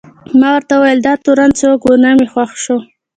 ما ورته وویل: دا تورن څوک و؟ نه مې خوښ شو.